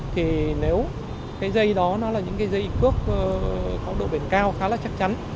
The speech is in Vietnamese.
thì nếu cái dây đó nó là những cái dây cước có độ biển cao khá là chắc chắn